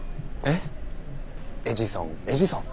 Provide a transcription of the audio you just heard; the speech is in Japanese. エジソンエジソン。